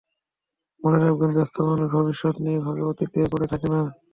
মনে রাখবেন, ব্যস্ত মানুষ ভবিষ্যত্ নিয়ে ভাবে, অতীতে পড়ে থাকে না।